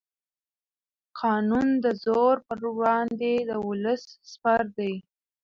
قانون د زور پر وړاندې د ولس سپر دی